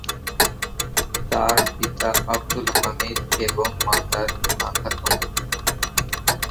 তার পিতা আবদুল হামিদ এবং মাতা রহিমা খাতুন।